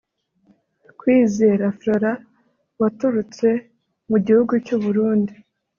Kwizera Flora waturutse mu gihugu cy’u Burundi